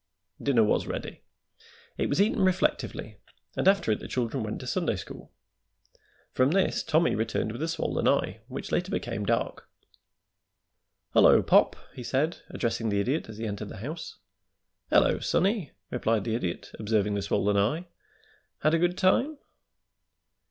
Dinner was ready. It was eaten reflectively, and after it the children went to Sunday school. From this Tommy returned with a swollen eye, which later became dark. "Hullo, pop!" he said, addressing the Idiot as he entered the house. [Illustration: "'HULLO, SONNY! HAD A GOOD TIME?'"] "Hullo, sonny!" replied the Idiot, observing the swollen eye. "Had a good time?"